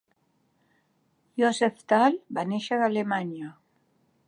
Yoseftal va néixer a Alemanya.